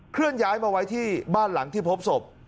เลื่อนย้ายมาไว้ที่บ้านหลังที่พบศพ